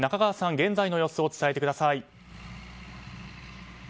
現在の様子を伝えてください。